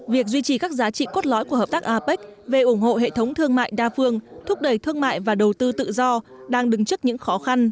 việc duy trì các giá trị cốt lõi của hợp tác apec về ủng hộ hệ thống thương mại đa phương thúc đẩy thương mại và đầu tư tự do đang đứng trước những khó khăn